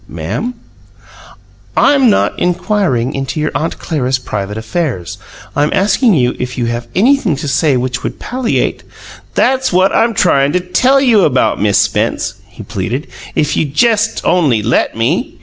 "Ma'am?" "I'm not inquiring into your Aunt Clara's private affairs; I'm asking you if you have anything to say which would palliate " "That's what I'm tryin' to TELL you about, Miss Spence," he pleaded, "if you'd jest only let me.